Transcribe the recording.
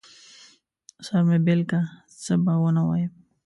سر مې بېل که، څه به ونه وايم.